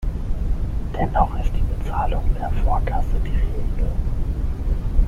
Dennoch ist die Bezahlung per Vorkasse die Regel.